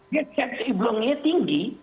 dia cek seiblongnya tinggi